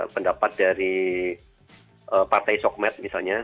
pendapat dari partai sokmet misalnya